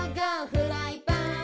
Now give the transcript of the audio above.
フライパン！」